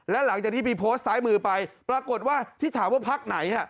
และหลังจากที่มีโพสต์ซ้ายมือไปปรากฏว่าที่ถามว่าพักไหน